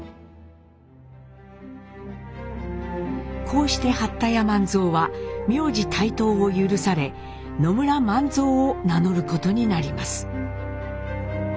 こうして八田屋万蔵は苗字帯刀を許され「野村万蔵」を名乗ることになります。